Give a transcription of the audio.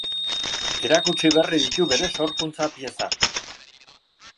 Erakutsi berri ditu bere sorkuntza-piezak.